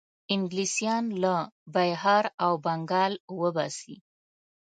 انګلیسیان له بیهار او بنګال وباسي.